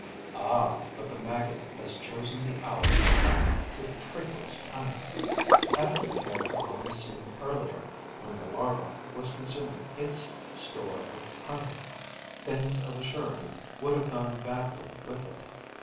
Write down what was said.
Ah, but the maggot has chosen the hour of attack with traitorous cunning! Had it appeared upon the scene earlier, when the larva was consuming its store of honey, things of a surety would have gone badly with it.